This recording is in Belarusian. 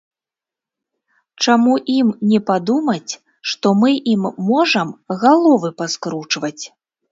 Чаму ім не падумаць, што мы ім можам галовы паскручваць!